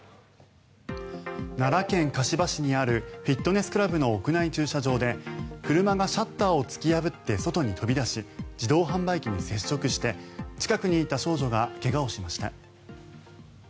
奈良県香芝市にあるフィットネスクラブの屋内駐車場で車がシャッターを突き破って外に飛び出し自動販売機に接触して近くにいた少女が怪我をしました。